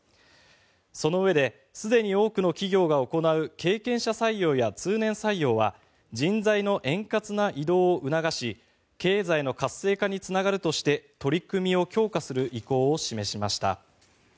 そのうえで、すでに多くの企業が行う経験者採用や通年採用は人材の円滑な移動を促し経済の活性化につながるとして取り組みを強化する意向を示しました。